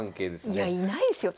いやいないですよ